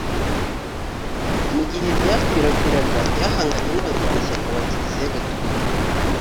mu gihe ryakwirakwiraga, ryahanganye n’abarwanashyaka ba kiliziya gatolika